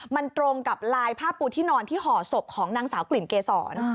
มันตรงกับลายผ้าปูที่นอนที่ห่อศพของนางสาวกลิ่นเกษร